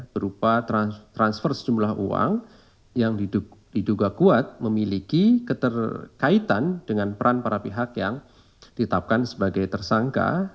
berupa transfer sejumlah uang yang diduga kuat memiliki keterkaitan dengan peran para pihak yang ditetapkan sebagai tersangka